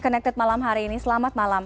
connected malam hari ini selamat malam